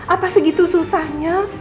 apa segitu susahnya